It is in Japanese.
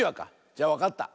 じゃわかった。